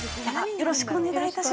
よろしくお願いします。